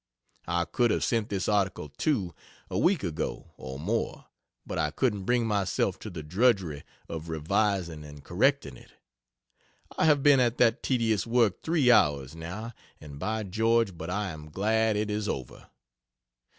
I could have sent this Article II a week ago, or more, but I couldn't bring myself to the drudgery of revising and correcting it. I have been at that tedious work 3 hours, now, and by George but I am glad it is over.